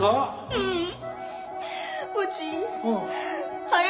ううん。